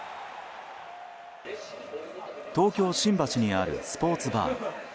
東京・新橋にあるスポーツバー。